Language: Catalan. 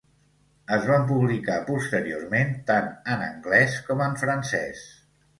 Es van publicar posteriorment tant en anglès com en francès.